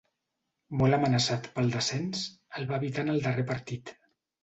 Molt amenaçat pel descens, el va evitar en el darrer partit.